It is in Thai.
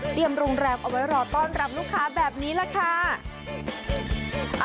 โรงแรมเอาไว้รอต้อนรับลูกค้าแบบนี้แหละค่ะ